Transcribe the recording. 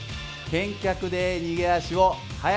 健脚で逃げ足を速くする。